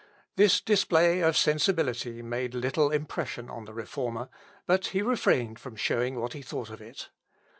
This display of sensibility made little impression on the Reformer, but he refrained from showing what he thought of it.